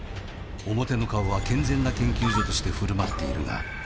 「表の顔は健全な研究所として振る舞っているが」